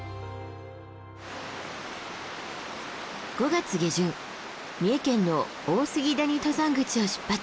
５月下旬三重県の大杉谷登山口を出発。